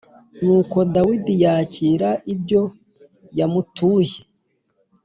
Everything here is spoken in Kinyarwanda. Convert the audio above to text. Nuko Dawidi yakira ibyo yamutuye